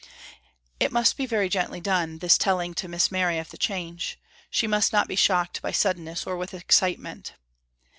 It must be very gently done, this telling to Miss Mary of the change. She must not be shocked by suddenness or with excitement.